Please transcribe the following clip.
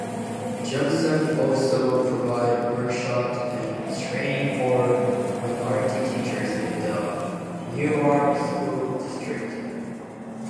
Johnson also provides workshops and training for minority teachers in the Newark school district.